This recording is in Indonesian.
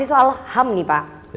soal ham nih pak